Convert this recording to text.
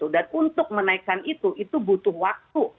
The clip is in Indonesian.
dan untuk menaikkan itu itu butuh waktu